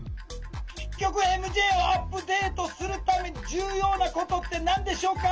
結局ＭＪをアップデートするために重要なことって何でしょうか？